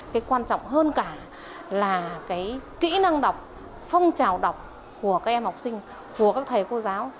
cái quan trọng hơn cả là cái kỹ năng đọc phong trào đọc của các em học sinh của các thầy cô giáo